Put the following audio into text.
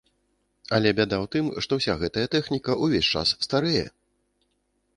Але бяда ў тым, што ўся гэтая тэхніка ўвесь час старэе!